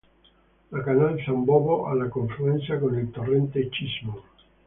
Da Canal San Bovo alla confluenza con il torrente Cismon.